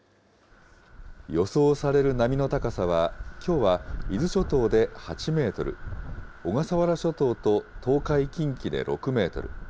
予想される波の高さは、きょうは伊豆諸島で８メートル、小笠原諸島と東海、近畿で６メートル、